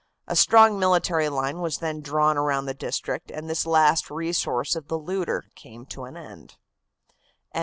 A strong military line was then drawn around the district, and this last resource of the looter came to an end.